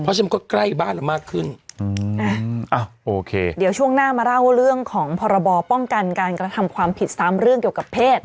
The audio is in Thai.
เพราะฉะนั้นมันก็ใกล้บ้านเรามากขึ้นโอเคเดี๋ยวช่วงหน้ามาเล่าเรื่องของพรบป้องกันการกระทำความผิดซ้ำเรื่องเกี่ยวกับเพศ